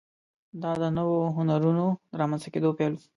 دا د نویو هنرونو د رامنځته کېدو پیل و.